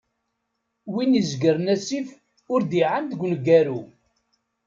Win izegren asif, ur d-iɛan deg uneggaru.